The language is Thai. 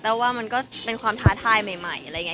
แต่ว่ามีความท้าทายใหม่